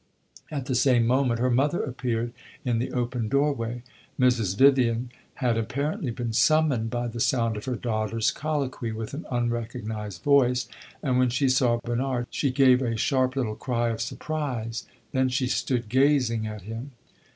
At the same moment her mother appeared in the open door way. Mrs. Vivian had apparently been summoned by the sound of her daughter's colloquy with an unrecognized voice, and when she saw Bernard she gave a sharp little cry of surprise. Then she stood gazing at him.